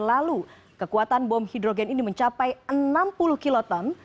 lalu kekuatan bom hidrogen ini mencapai enam puluh kiloton